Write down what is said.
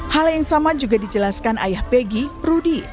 hal yang sama juga dijelaskan ayah peggy rudy